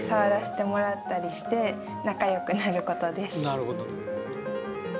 なるほど。